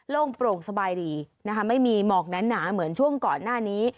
โปร่งสบายดีนะคะไม่มีหมอกนั้นหนาเหมือนช่วงก่อนหน้านี้